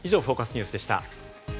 ニュースでした。